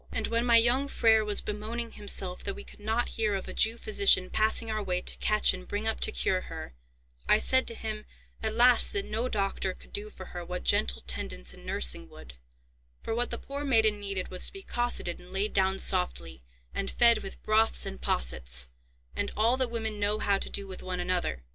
And, when my young Freiherr was bemoaning himself that we could not hear of a Jew physician passing our way to catch and bring up to cure her, I said to him at last that no doctor could do for her what gentle tendance and nursing would, for what the poor maiden needed was to be cosseted and laid down softly, and fed with broths and possets, and all that women know how to do with one another.